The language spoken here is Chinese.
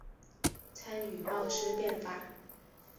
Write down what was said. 参与戊戌变法。